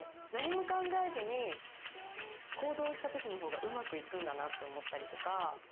何も考えずに行動したときの方がうまくいくんだなって思ったりとか。